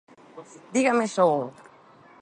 Dígame só un.